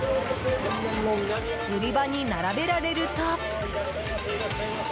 売り場に並べられると。